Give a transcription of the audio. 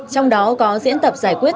trong đó có diễn tập giải quyết